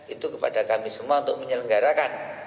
itu kepada kami semua untuk menyelenggarakan